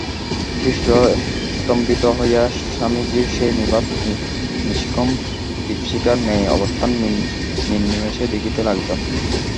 শিষ্য স্তম্ভিত হইয়া স্বামীজীর সেই নিবাত নিষ্কম্প দীপশিখার ন্যায় অবস্থান নির্নিমেষে দেখিতে লাগিল।